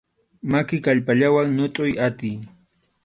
Maki kallpallawan ñutʼuy atiy.